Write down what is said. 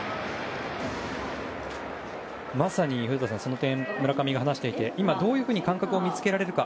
まさに古田さん、その点村上が話していて今、どういうふうに感覚を見つけられるか